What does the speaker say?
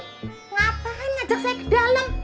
ngapain ngajak saya ke dalem